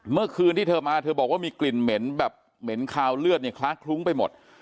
เมื่อคืนที่เธอมาเธอบอกว่ามีกลิ่นเหม็นแบบเหม็นคาวเลือดเนี่ยคล้าคลุ้งไปหมด